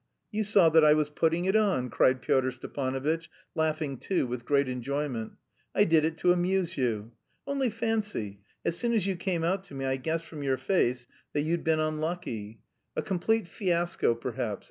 You saw that I was putting it on!" cried Pyotr Stepanovitch, laughing too, with great enjoyment. "I did it to amuse you! Only fancy, as soon as you came out to me I guessed from your face that you'd been 'unlucky.' A complete fiasco, perhaps.